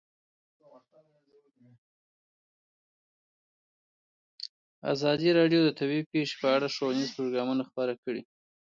ازادي راډیو د طبیعي پېښې په اړه ښوونیز پروګرامونه خپاره کړي.